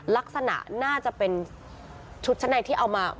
ลักษณะน่าจะเป็นชุดชั้นในที่เอามา